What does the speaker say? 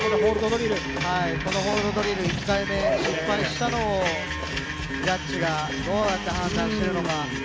このホールド・ドリル１回、失敗したのをジャッジがどうやって判断しているのか。